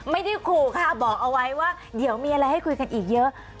ไม่ได้ขู่ค่ะบอกเอาไว้ว่าเดี๋ยวมีอะไรให้คุยกันอีกเยอะ